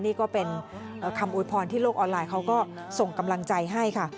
นี่ก็เป็นคำอวยพรที่โลกออนไลน์เขาก็ส่งกำลังใจให้ค่ะ